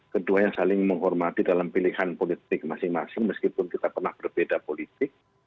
keduanya saling menghormati dalam pilihan politik masing masing meskipun kita pernah berbeda politik